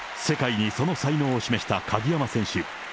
世界にその才能を示した鍵山選手。